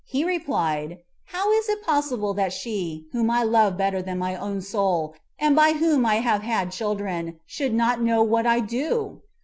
He replied, "How is it possible that she, whom I love better than my own soul, and by whom I have had children, should not know what I do?"